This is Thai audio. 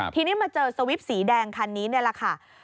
ทีนี้มาเจอสวิปสีแดงคันนี้นี่แหละค่ะ